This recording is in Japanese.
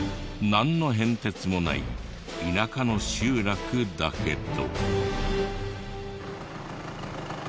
なんの変哲もない田舎の集落だけど。